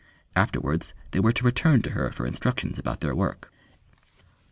Afterwards they were to return to her for instructions about their work.